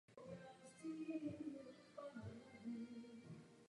Na tuto otázku tedy odpovíme společně.